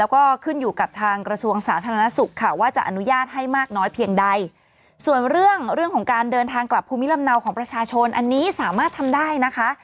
แล้วก็ขึ้นอยู่กับทางกระทรวงสาธารณสุขค่ะว่าจะอนุญาตให้มากน้อยเพียงใดส่วนเรื่องของการเดินทางกลับภูมิลำเนาของประชาชนอันนี้สามารถทำได้นะคะ